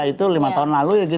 itu lima tahun lalu ya gita